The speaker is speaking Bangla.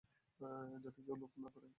যাতে কেউ লোভ না করে।